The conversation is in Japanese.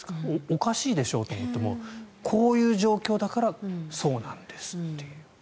おかしいでしょうと思ってもこういう状況だからそうなんですという。